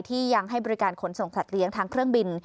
ยังให้บริการขนส่งสัตว์เลี้ยงทั้งเครื่องบิน